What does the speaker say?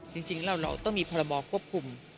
จริงแล้วเราต้องมีพรบควบคุม